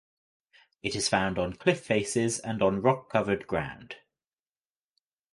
It is found on cliff faces and on rock covered ground.